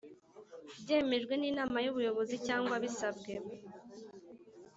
byemejwe n Inama y ubuyobozi cyangwa bisabwe